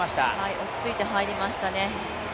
落ち着いて入りましたね。